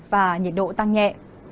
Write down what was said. và nhiệt độ tăng nhẹ